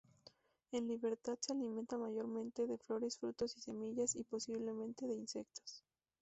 En libertad se alimentan mayormente de flores, frutos y semillas, y posiblemente de insectos.